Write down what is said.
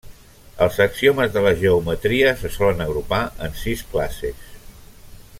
Els axiomes de la geometria se solen agrupar en sis classes.